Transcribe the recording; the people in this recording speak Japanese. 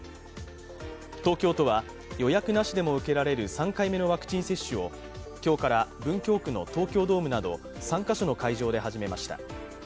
東京都は予約なしでも受けられる３回目のワクチン接種を、今日から文京区の東京ドームなど３カ所の会場で始めました。